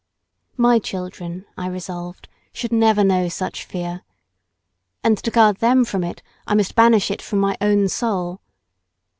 My children, I resolved, should never know such fear. And to guard them from it I must banish it from my own soul.